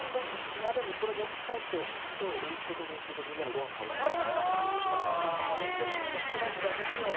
でもこれ持ち帰って今日甥っ子と姪っ子とみんなでごはん食べたい。